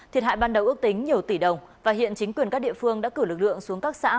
thiệt hại ban đầu ước tính nhiều tỷ đồng và hiện chính quyền các địa phương đã cử lực lượng xuống các xã